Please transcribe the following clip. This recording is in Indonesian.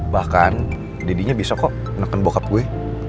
bahkan didinya bisa kok neken bokap gue